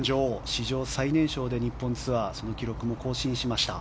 史上最年少で日本ツアーその記録も更新しました。